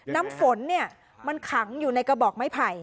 น้ำฝนเนี่ยมันขังอยู่ในกระบอกไม้ไผ่